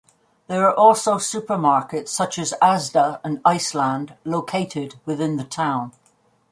There are also supermarkets such as Asda and Iceland located within the town.